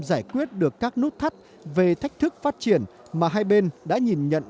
giải quyết được các nút thắt về thách thức phát triển mà hai bên đã nhìn nhận